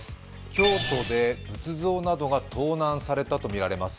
京都で仏像などが盗難されたとみられます。